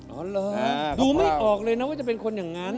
เหรอดูไม่ออกเลยนะว่าจะเป็นคนอย่างนั้น